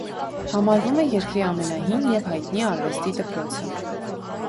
Համարվում է երկրի ամենահին և հայտնի արվեստի դպրոցը։